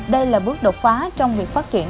đây là bước đột phá trong việc phát triển